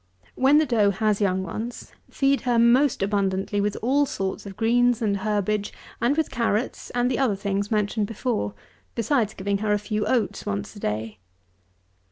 186. When the doe has young ones, feed her most abundantly with all sorts of greens and herbage and with carrots and the other things mentioned before, besides giving her a few oats once a day.